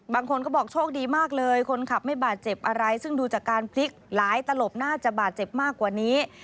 บางคนก็บอกโชคดีมากเลยคนขับไม่บาดเจ็บอะไรซึ่งดูจากการพลิกหลายตลบน่าจะบาดเจ็บมากกว่านี้